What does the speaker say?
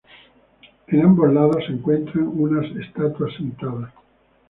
En ambos lados se encuentran unas estatuas sentadas.